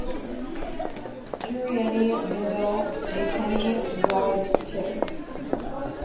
Churienyi vindo mghenyi waw'echa.